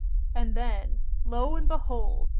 And then, lo and behold!